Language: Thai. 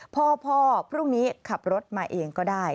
พ่อพรุ่งนี้ขับรถมาเองก็ได้